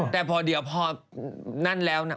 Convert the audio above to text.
แต่พอเดี๋ยวพอนั่นแล้วนะ